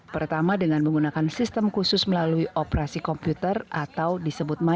pertama dengan menggunakan sistem khusus melalui operasi komputer atau disebut manis